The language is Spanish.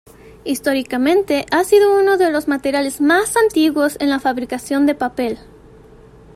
Históricamente ha sido uno de los materiales más antiguos en la fabricación de papel.